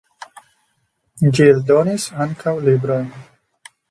Ĝi eldonis ankaŭ librojn.